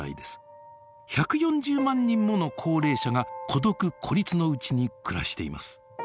１４０万人もの高齢者が孤独・孤立のうちに暮らしています。